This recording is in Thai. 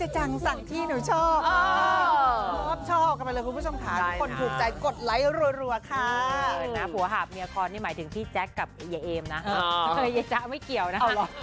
จับไมค์โชว์เสียงร้องให้แฟน